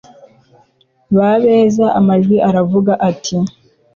Ba beza Amajwi aravuga ati